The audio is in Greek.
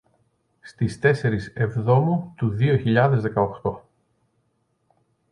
στις τεσσερις εβδόμου του δύο χιλιάδες δέκα οκτώ